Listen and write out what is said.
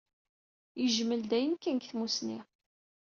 Yejmel dayen kan deg tmusni.